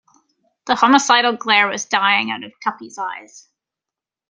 The homicidal glare was dying out of Tuppy's eyes.